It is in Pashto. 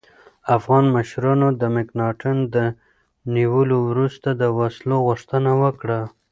افغان مشرانو د مکناتن د نیولو وروسته د وسلو غوښتنه وکړه.